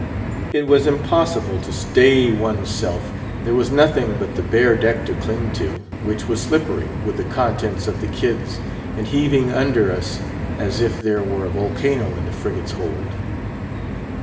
It was impossible to stay one's self; there was nothing but the bare deck to cling to, which was slippery with the contents of the kids, and heaving under us as if there were a volcano in the frigate's hold.